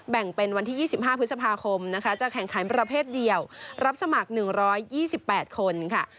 แบ่งเป็นวันที่๒๕พฤษภาคมนะคะจะแข่งขันประเภทเดียวรับสมัคร๑๒๘คนค่ะ